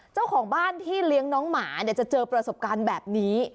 เจ้าของบ้านที่เลี้ยงน้องหมาเนี่ยจะเจอประสบการณ์แบบนี้